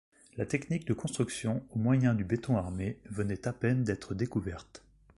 La technique de construction au moyen du béton armé venait à peine d'être découverte.